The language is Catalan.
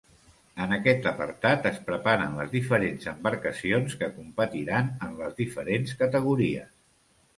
En aquest apartat es preparen les diferents embarcacions que competiran en les diferents categories.